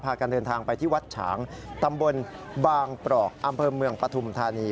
การเดินทางไปที่วัดฉางตำบลบางปรอกอำเภอเมืองปฐุมธานี